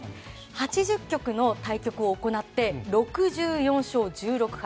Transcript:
８０局の対局を行って６４勝１６敗。